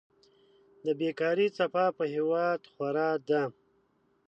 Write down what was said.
د بيکاري څپه په هېواد خوره ده.